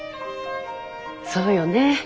そうよね